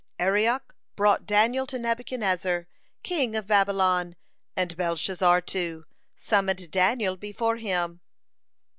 Arioch brought Daniel to Nebuchadnezzar, king of Babylon, and Belshazzar, too, summoned Daniel before him."